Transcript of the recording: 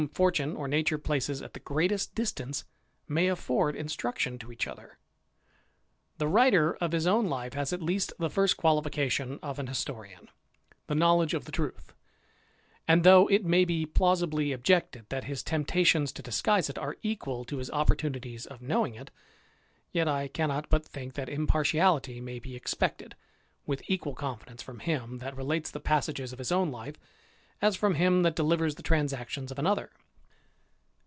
fortune or nature places at the greatest distance may instruction to each other. The writer of his own life has at least the first qualifi tion of an historian, the knowledge of the truth; an though it may be plausibly objected that his temptations disguise it are equal to his opportunities of knowing it, yet cannot but think that impartiality may be expected equal confidence from him that relates the passages of hm^i? own life, as from him that delivers the transactions of another.